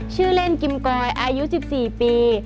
ชื่อเล่นกิมกอยอายุ๑๔ปี